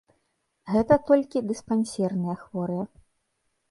Гэта толькі дыспансерныя хворыя.